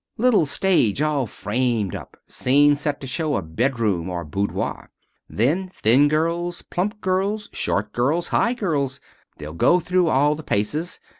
Little stage all framed up. Scene set to show a bedroom or boudoir. Then, thin girls, plump girls, short girls, high girls. They'll go through all the paces.